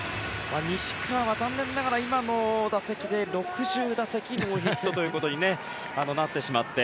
西川は残念ながら今の打席で６０打席ノーヒットということになってしまって。